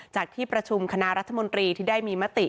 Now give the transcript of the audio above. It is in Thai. ที่ประชุมคณะรัฐมนตรีที่ได้มีมติ